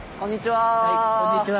はいこんにちは。